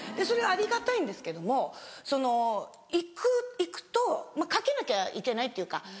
それはありがたいんですけども行くと賭けなきゃいけないっていうか